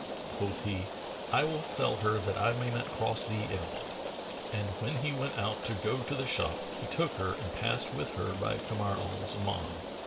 Quoth he, "I will sell her that I may not cross thee in aught;" and when he went out to go to the shop he took her and passed with her by Kamar al Zaman.